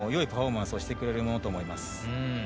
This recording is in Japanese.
ここでも、よいパフォーマンスをしてくれるものと思います。